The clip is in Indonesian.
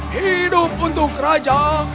hidup untuk raja